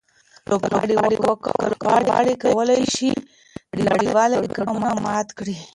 آیا لوبغاړي کولای شي چې نړیوال ریکارډونه مات کړي؟